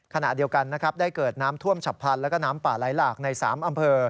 ขณะเดียวกันนะครับได้เกิดน้ำท่วมฉับพลันแล้วก็น้ำป่าไหลหลากใน๓อำเภอ